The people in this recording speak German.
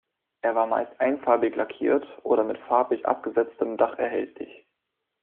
Er war meist einfarbig lackiert oder mit farblich abgesetztem Dach erhältlich.